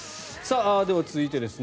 では続いてです